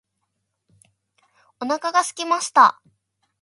お腹がすきました